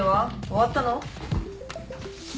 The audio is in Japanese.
終わったの？